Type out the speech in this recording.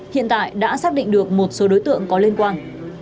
hiện tại đã xác định được một số đối tượng có liên quan